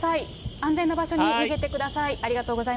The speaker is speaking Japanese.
安全な場所に逃げてください。